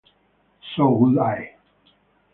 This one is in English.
So would I.